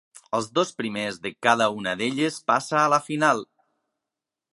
Els dos primers de cada una d'elles passa a la final.